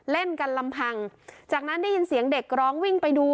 เล่นกันลำพังจากนั้นได้ยินเสียงเด็กร้องวิ่งไปดู